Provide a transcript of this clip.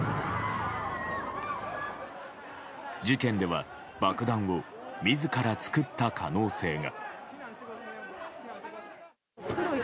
事件では爆弾を自ら作った可能性が。